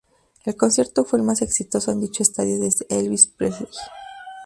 El concierto fue el más exitoso en dicho estadio desde Elvis Presley.